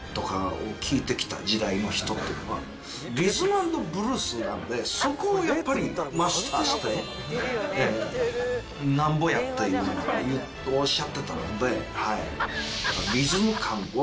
リズム＆ブルースなんでそこをマスターしてなんぼやっておっしゃってたので。